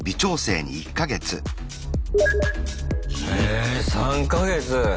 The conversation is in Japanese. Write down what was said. え３か月！